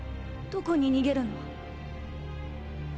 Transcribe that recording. どこに逃げるの？